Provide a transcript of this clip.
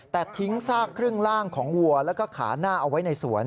แต่ทิ้งซากครึ่งล่างของวัวแล้วก็ขาหน้าเอาไว้ในสวน